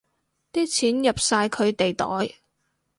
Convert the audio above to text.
啲錢入晒佢哋袋